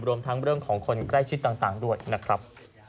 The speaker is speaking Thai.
รวมทั้งเรื่องของคนใกล้ชิดต่างด้วยนะครับ